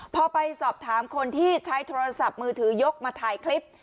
พอไปสอบถามคนที่ใช้โทรศัพท์มือถือยกมาถ่ายคลิป